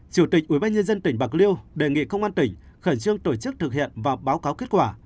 chủ tịch ủy ban nhân dân tỉnh bạc liêu đề nghị công an tỉnh khẩn trương tổ chức thực hiện và báo cáo kết quả